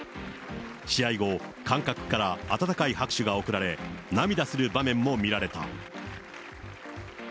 試合後、観客から温かい拍手が送られ、涙する場面も見られた。